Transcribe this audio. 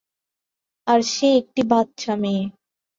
আর সে একটি বাচ্চা মেয়ে।